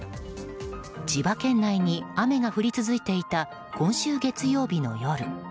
千葉県内に雨が降り続いていた今週月曜日の夜。